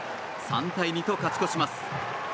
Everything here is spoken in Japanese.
３対２と勝ち越します。